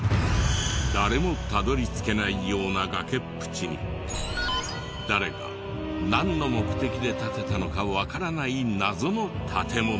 誰もたどり着けないような崖っぷちに誰がなんの目的で建てたのかわからない謎の建物。